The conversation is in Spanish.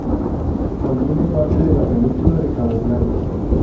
Contiene parte de la península de Cabo Blanco.